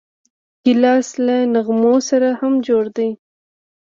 ګیلاس له نغمو سره هم جوړ دی.